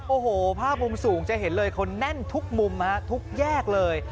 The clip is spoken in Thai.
โอ้โหภาพมุมสูงจะเห็นเลยคนแน่นทุกมุมฮะทุกแยกเลย